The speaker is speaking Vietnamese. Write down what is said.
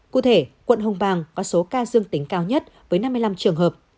cụ thể quận hồng bàng có số ca dương tính cao nhất với năm mươi năm trường hợp